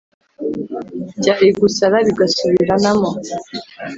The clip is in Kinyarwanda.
Byari gusara bigasubiranamo